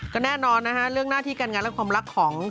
ก็แน่นอนนะฮะเรื่องหน้าที่การงานและความรักของ